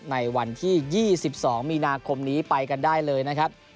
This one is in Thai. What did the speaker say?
ในวันที่๒๒มีนาคมนี้ไปกันได้เลยนะครับ